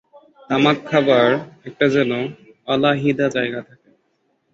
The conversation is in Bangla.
তামাক খাবার একটা যেন আলাহিদা জায়গা থাকে।